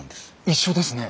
一緒ですね。